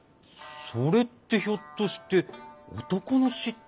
それってひょっとして男の嫉妬？